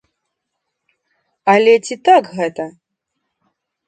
Але ці так гэта?